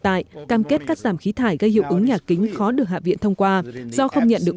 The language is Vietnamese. tại cam kết cắt giảm khí thải gây hiệu ứng nhà kính khó được hạ viện thông qua do không nhận được